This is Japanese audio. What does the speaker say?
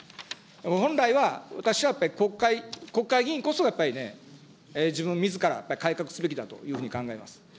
本来は、私はやっぱり国会議員こそ、やっぱりね、自分みずから改革すべきだというふうに考えます。